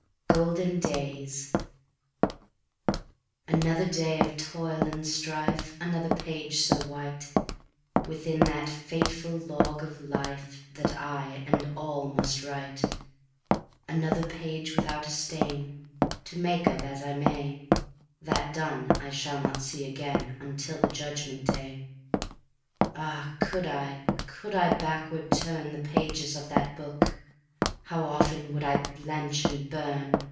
Golden Days Another day of toil and strife, Another page so white, Within that fateful Log of Life That I and all must write; Another page without a stain To make of as I may, That done, I shall not see again Until the Judgment Day. Ah, could I, could I backward turn The pages of that Book, How often would I blench and burn!